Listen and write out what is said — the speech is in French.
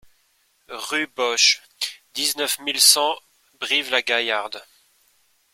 Rue Bosche, dix-neuf mille cent Brive-la-Gaillarde